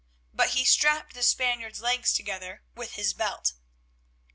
But he strapped the Spaniard's legs together with his belt.